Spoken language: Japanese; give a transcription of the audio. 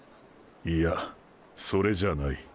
いやそれじゃない。